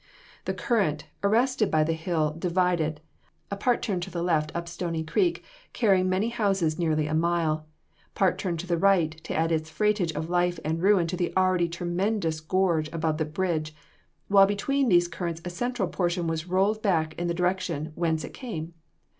The current, arrested by the hill, divided; a part turned to the left up Stony Creek, carrying many houses nearly a mile; part turned to the right, to add its freightage of life and ruin to the already tremendous gorge above the bridge, while between these currents a central portion was rolled back in the direction whence it came.